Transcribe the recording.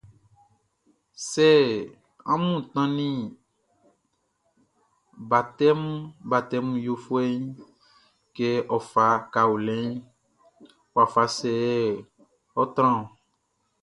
Sɛ amun tannin batɛmun yofuɛʼn kɛ ɔ fa kaolinʼn, wafa sɛ yɛ ɔ́ trán ɔn?